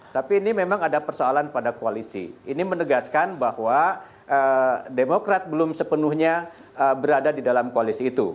tapi ini memang ada persoalan pada koalisi ini menegaskan bahwa demokrat belum sepenuhnya berada di dalam koalisi itu